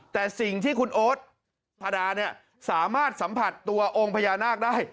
แต่สิ่งที่คุณโอ๊ตพาดาเนี่ยสามารถสัมผัสตัวองค์พญานาคได้